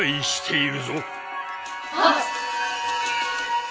はっ！